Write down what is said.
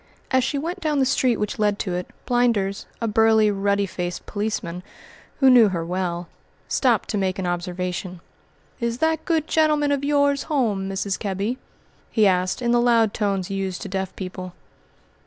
As she went down the street which led to it, Blinders, a burly, ruddy faced policeman, who knew her well, stopped to make an observation. "Is that good gentleman of yours home, Mrs. Kebby?" he asked, in the loud tones used to deaf people.